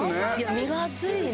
身が厚いね。